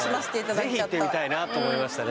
ぜひ行ってみたいなと思いましたね